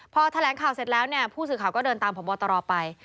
พอแถลงข่าวเสร็จแล้วเนี่ยผู้สื่อข่าวก็เดินตามพบตรไป